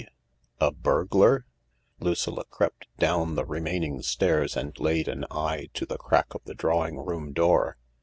? A burglar ? Lucilla crept down the remaining stairs and laid an eye to the crack of the drawing room door.